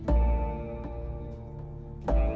aku pun tak mau